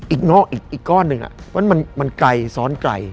อีกกล้อนมันไกลซ้อนไกล